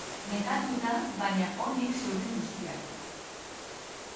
Nekatuta baina onik zeuden guztiak.